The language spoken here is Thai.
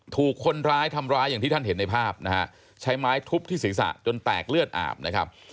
ถูกคนร้ายทำร้ายอย่างที่ท่านเห็นในภาพนะฮะใช้ไม้ทุบที่ศีรษะจนแตกเลือดอาบนะครับ